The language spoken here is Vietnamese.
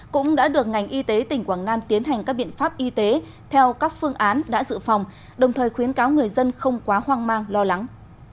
cũng đã được ngành y tế tỉnh quảng nam tiến hành các biện pháp y tế theo các phương án đã dự phòng đồng thời khuyến cáo người dân không quá hoang mang lo lắng